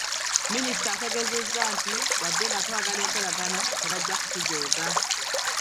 Minisita ategeezezza nti wadde nga twagala enkolagana tebajja kutujooga.